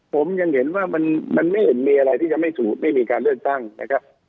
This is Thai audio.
ผมยังเห็นว่ามันไม่เห็นมีอะไรที่จะไม่มีการเลือกตั้งนะครับ